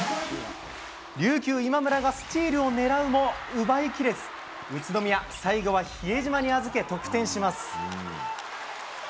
琉球、今村がスチールを狙うも、奪いきれず、宇都宮、最後は比江島に預け、得点します。